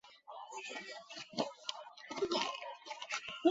我也是这么想的